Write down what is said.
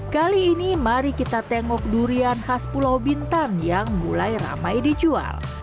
kali ini mari kita tengok durian khas pulau bintan yang mulai ramai dijual